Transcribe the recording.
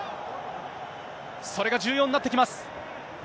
それが重要になってきます。